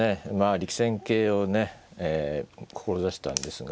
力戦形をね志したんですが。